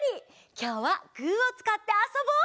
きょうはグーをつかってあそぼう！